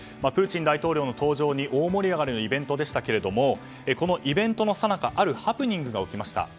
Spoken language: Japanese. プーチン大統領の登場に大盛り上がりのイベントでしたがこのイベントのさなかあるハプニングが起きました。